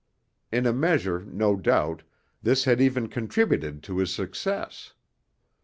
In a measure, no doubt, this had even contributed to his successes.